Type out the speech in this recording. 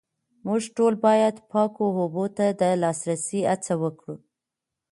موږ ټول باید پاکو اوبو ته د لاسرسي هڅه وکړو